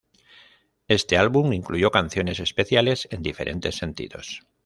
Este álbum incluyó canciones especiales en diferentes sentidos.